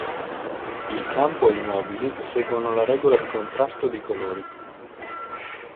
Il campo e i "mobili" seguono la regola di contrasto dei colori.